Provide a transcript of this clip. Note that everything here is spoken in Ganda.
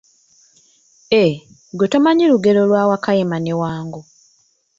Eh, ggwe tomanyi lugero lwa wakayima ne wango.